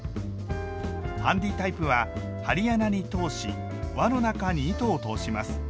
ハンディタイプは針穴に通し輪の中に糸を通します。